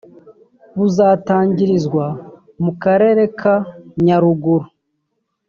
Buzatangirizwa mu Karere ka Nyaruguru